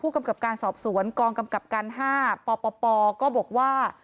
กำกับการสอบสวนกองกำกับการ๕ปปก็บอกว่า